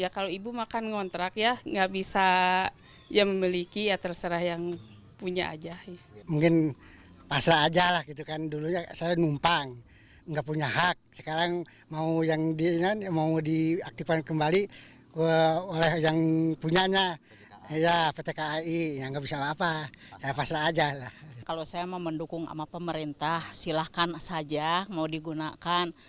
kalau saya mau mendukung sama pemerintah silahkan saja mau digunakan